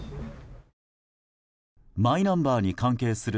マイナンバーに関係する